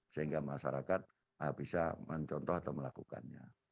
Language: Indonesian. sehingga masyarakat bisa mencontoh atau melakukannya